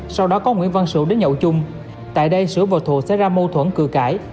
sau đó có nguyễn văn sửu đến nhậu chung tại đây sửu và thụ sẽ ra mâu thuẫn cười cãi